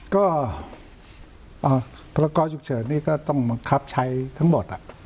ก็พรกรฉุกเฉินนี่ก็ต้องบังคับใช้ทั้งหมด